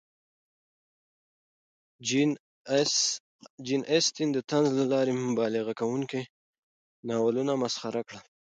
جین اسټن د طنز له لارې مبالغه کوونکي ناولونه مسخره کړل.